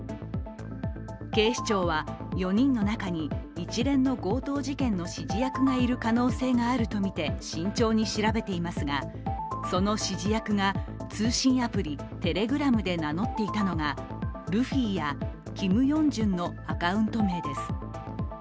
警視庁は４人の中に一連の強盗事件の指示役がいる可能性があるとみて慎重に調べていますが、その指示役が通信アプリ、Ｔｅｌｅｇｒａｍで名乗っていたのがルフィやＫｉｍＹｏｕｎｇ−ｊｕｎのアカウント名です